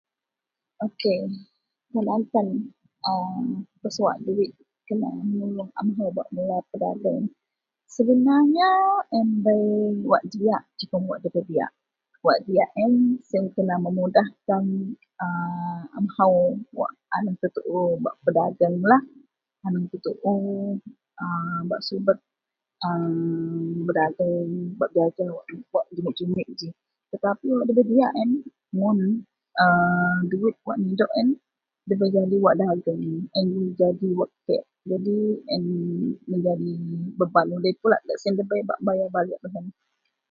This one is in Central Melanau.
Ok tan an Tanna pesuwak duwit kena menyukuong a mahou bak mula pedageng. Sebenarnya yen beibwak diyak jegem wak nda bei diyak wak diyak yen siyen kena memudahkan aaa a mahou wak an tuu-tuu bak pedagenglah an tuu-tuu Bak subet a bedageng bak jaja [unintelligible] wak jumit-jumit tapi wak ndabei diyak ji yen mun aaa duwit wak nidok yen nda jadi wak dageng yen Jadi wak kek Jadi baban udei bak bayar balik